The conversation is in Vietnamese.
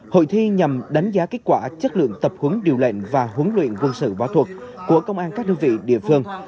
hội thi nhằm đánh giá kết quả chất lượng tập huấn điều lệnh và huấn luyện quân sự võ thuật của công an các đơn vị địa phương